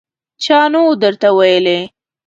_چا نه و درته ويلي!